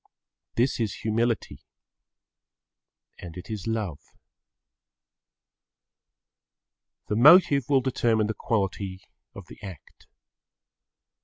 This is humility and it is love. The motive will determine the quality of the act.